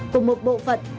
cùng một bộ phận